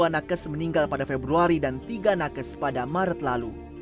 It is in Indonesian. dua puluh nakes meninggal pada februari dan tiga nakes pada maret lalu